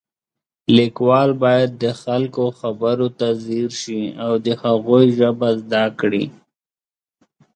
لیکوال باید د خلکو خبرو ته ځیر شي او د هغوی ژبه زده کړي